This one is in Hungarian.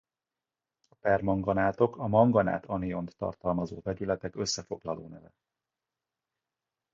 A permanganátok a manganát aniont tartalmazó vegyületek összefoglaló neve.